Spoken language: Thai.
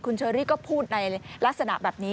คุณเชอรี่ก็พูดในลักษณะแบบนี้